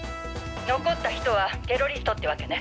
残った人はテロリストってわけね。